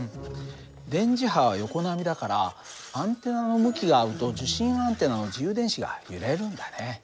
電磁波は横波だからアンテナの向きが合うと受信アンテナの自由電子が揺れるんだね。